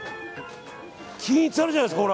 均一あるじゃないですか。